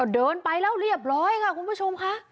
เดินไปแล้วเรียบร้อยค่ะคุณผู้ชมค่ะ